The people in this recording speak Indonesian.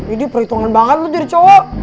ini perhitungan banget lu jadi cowok